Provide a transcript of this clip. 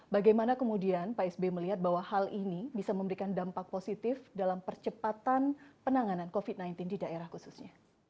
bagaimana kemudian pak sby melihat bahwa hal ini bisa memberikan dampak positif dalam percepatan penanganan covid sembilan belas di daerah khususnya